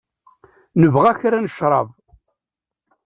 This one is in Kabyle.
Nebɣa kra n cṛab.